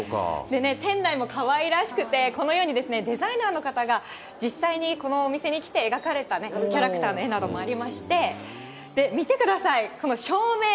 店内もかわいらしくて、このようにデザイナーの方が実際にこのお店に来て描かれたキャラクターの絵などもありまして、見てください、この照明。